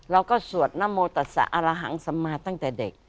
เราก็สวดนามตัศน์อรหังสมะตั้งแต่เด็ก